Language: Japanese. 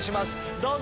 どうぞ！